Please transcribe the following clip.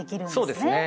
そうですね。